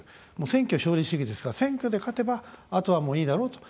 選挙勝利主義ですから選挙で勝てばあとは、もういいだろうと。